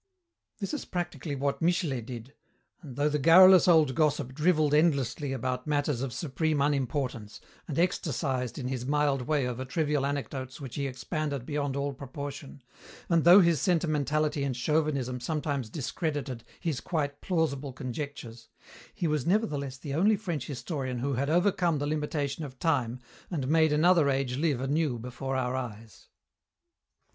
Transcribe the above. That is practically what Michelet did, and though the garrulous old gossip drivelled endlessly about matters of supreme unimportance and ecstasized in his mild way over trivial anecdotes which he expanded beyond all proportion, and though his sentimentality and chauvinism sometimes discredited his quite plausible conjectures, he was nevertheless the only French historian who had overcome the limitation of time and made another age live anew before our eyes.